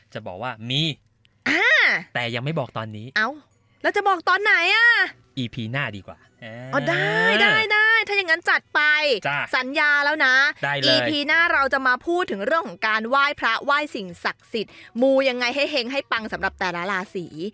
จะบอกว่ามีแต่ยังไม่บอกตอนนี้เอ้าแล้วจะบอกตอนไหนอ่ะอีพีหน้าดีกว่าอ๋อได้ได้ถ้าอย่างนั้นจัดไปสัญญาแล้วนะอีพีหน้าเราจะมาพูดถึงเรื่องของการไหว้พระไหว้สิ่งศักดิ์สิทธิ์มูยังไงให้เห็งให้ปังสำหรับแต่ละราศี